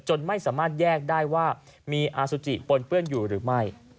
ไม่สามารถแยกได้ว่ามีอาสุจิปนเปื้อนอยู่หรือไม่